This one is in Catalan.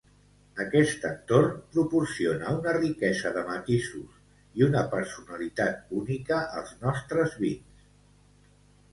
Aquest entorn proporciona una riquesa de matisos i una personalitat única als nostres vins.